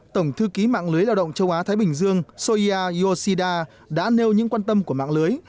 tổng thư ký mạng lưới lao động châu á thái bình dương soi yoshida đã nêu những quan tâm của mạng lưới